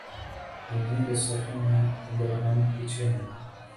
دنیا کی صفوں میں اگر ہم پیچھے ہیں۔